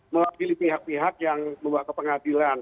mewakili pihak pihak yang membawa ke pengadilan